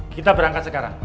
kita berangkat sekarang